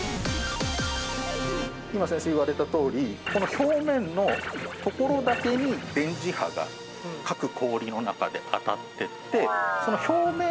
今先生言われたとおりこの表面のところだけに電磁波が各氷の中で当たっていって。